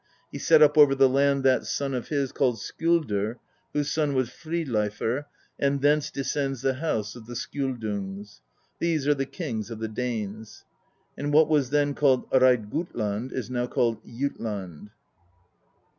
He set up over the land that son of his called Skjoldr, whose son was Frid leifr, — and thence descends the house of the Skjoldungs: these are the kings of the Danes. And what was then called Reidgothland is now called Jutland.